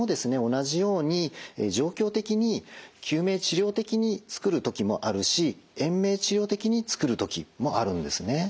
同じように状況的に救命治療的に作る時もあるし延命治療的に作る時もあるんですね。